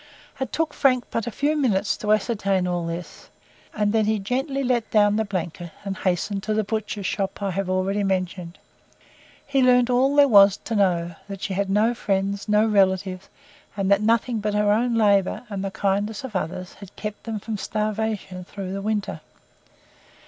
It took Frank but a few minutes to ascertain all this, and then he gently let down the blanket, and hastened to the butcher's shop I have already mentioned. He learnt all that there was to know: that she had no friends, no relatives, and that nothing but her own labour, and the kindness of others, had kept them from starvation through the winter.